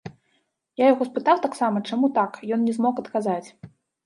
Я яго спытаў таксама, чаму так, ён не змог адказаць.